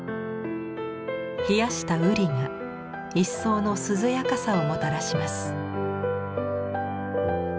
冷やした瓜が一層の涼やかさをもたらします。